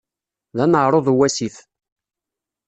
D aneɛṛuḍ uwasif.